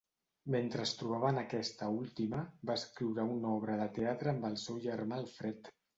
Mentre es trobava en aquesta última, va escriure una obra de teatre amb el seu germà Alfred.